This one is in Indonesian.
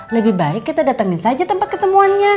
lebih baik kita datangin saja tempat ketemuannya